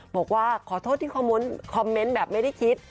บอกว่าขอโทษที่คอมเมนต์แบบไม่ได้คิด